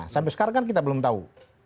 sampai sekarang kan kita belum tahu